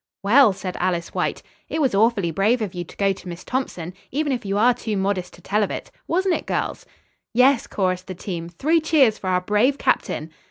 "Well," said Alice Waite, "it was awfully brave of you to go to Miss Thompson, even if you are too modest to tell of it. Wasn't it, girls?" "Yes," chorused the team. "Three cheers for our brave captain."